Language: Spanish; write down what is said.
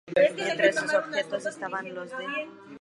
Entre sus objetivos, estaban los de